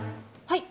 はい。